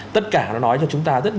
tất cả nó nói cho chúng ta rất nhiều